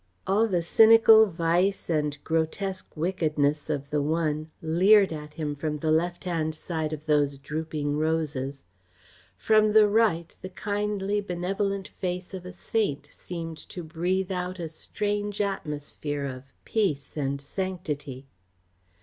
All the cynical vice and grotesque wickedness of the one leered at him from the left hand side of those drooping roses; from the right the kindly benevolent face of a saint seemed to breathe out a strange atmosphere of peace and sanctity.